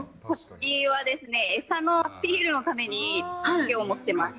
理由は餌のアピールのためにおけを持ってます。